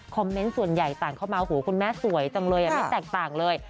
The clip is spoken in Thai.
เมนต์ส่วนใหญ่ต่างเข้ามาโหคุณแม่สวยจังเลยไม่แตกต่างเลย